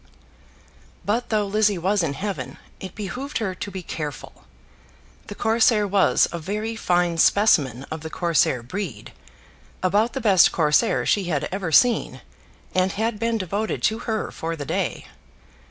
But though Lizzie was in heaven, it behoved her to be careful. The Corsair was a very fine specimen of the Corsair breed; about the best Corsair she had ever seen, and had been devoted to her for the day.